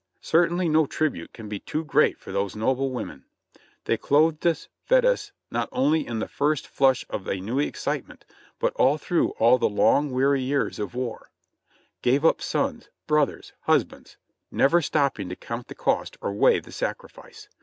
Certainly no tribute can be too great for those noble women. They clothed us, fed us, not only in the first flush of a new excitement, but through all the long, weary years of war ; gave up sons, brothers, husbands — never stopping to count the cost or weigh the sacrifice.